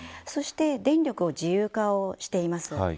そして電力を自由化しています。